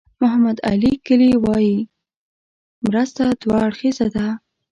محمد علي کلي وایي مرسته دوه اړخیزه ده.